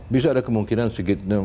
bisa ada kemungkinan sigit